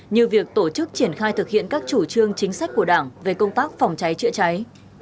như việc tổ chức triển khai thực hiện các chủ trương chính sách của đảng về công tác phòng cháy chữa cháy